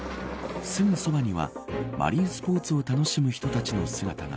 すぐそばにはマリンスポーツを楽しむ人たちの姿が。